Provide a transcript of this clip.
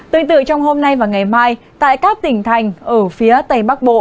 tương tự trong hôm nay và ngày mai tại các tỉnh thành ở phía tây bắc bộ